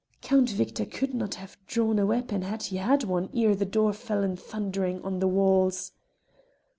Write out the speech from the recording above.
Count Victor could not have drawn a weapon had he had one ere the door fell in thundering on the walls.